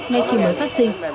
ngay khi mới phát sinh